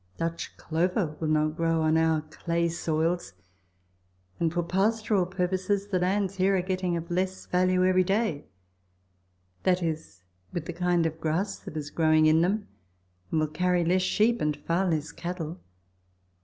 Dutch clover will not grow on our clay soils; and for pastoral purposes the lands here are getting of less value every day, that is, with the kind of grass that is growing in them, and will carry less sheep and far less cattle.